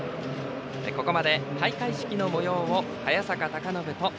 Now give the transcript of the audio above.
ここまで開会式のもようを早坂隆信と。